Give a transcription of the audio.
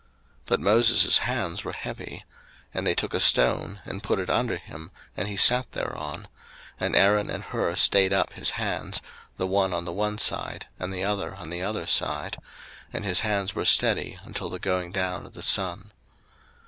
02:017:012 But Moses hands were heavy; and they took a stone, and put it under him, and he sat thereon; and Aaron and Hur stayed up his hands, the one on the one side, and the other on the other side; and his hands were steady until the going down of the sun.